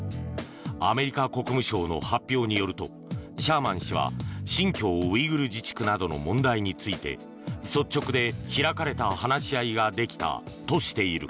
アメリカ国務省の発表によるとシャーマン氏は新疆ウイグル自治区などの問題について、率直で開かれた話し合いができたとしている。